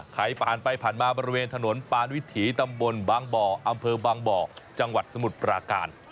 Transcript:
ใครผ่านไปผ่านมาบริเวณถนนปานวิถีตำบลบางบ่ออำเภอบางบ่อจังหวัดสมุทรปราการ